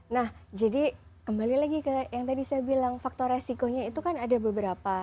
nah jadi kembali lagi ke yang tadi saya bilang faktor resikonya itu kan ada beberapa